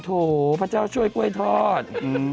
โถพระเจ้าช่วยกล้วยทอด